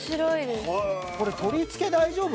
蛍原：取り付け大丈夫？